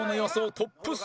トップ３